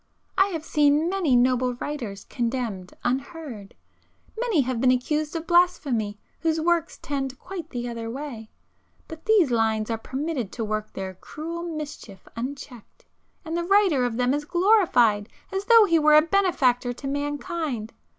I have seen many noble writers condemned unheard,—many have been accused of blasphemy, whose works tend quite the other way,—but these lines are permitted to work their cruel mischief unchecked, and the writer of them is glorified as though he were a benefactor to mankind.